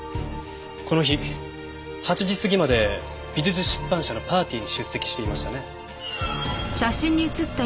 この日８時過ぎまで美術出版社のパーティーに出席していましたね？